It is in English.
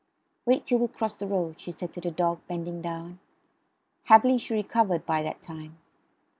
"Wait till we cross the road," she said to the dog, bending down. Happily she had recovered by that time.